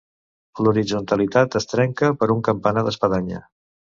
L'horitzontalitat es trenca per un campanar d'espadanya.